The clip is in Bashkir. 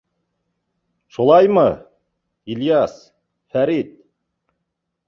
Шулаймы, Ильяс, Фәрит?!